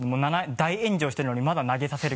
大炎上してるのにまだ投げさせる。